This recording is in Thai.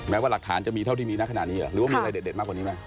ว่าหลักฐานจะมีเท่าที่มีนะขนาดนี้เหรอหรือว่ามีอะไรเด็ดมากกว่านี้ไหม